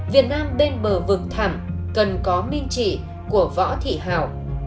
việt nam bên bờ vực thảm cần có minh trị của võ thị hảo